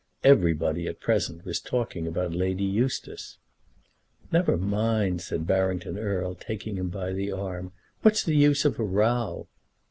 Everybody at present was talking about Lady Eustace. "Never mind," said Barrington Erle, taking him by the arm. "What's the use of a row?"